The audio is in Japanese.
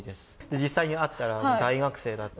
実際に会ったら大学生だったり。